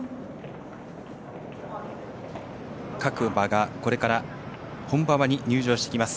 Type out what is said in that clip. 各馬が、これから本馬場に入場してきます。